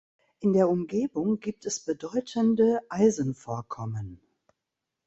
In der Umgebung gibt es bedeutende Eisenvorkommen.